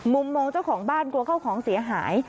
มุมมองเจ้าของบ้านกลัวเข้าของเสียหาย